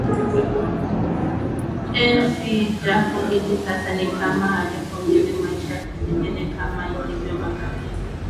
enzi japo hili sasa ni kama halipoMbili Maisha ya kijijini Kama ilivyo makabila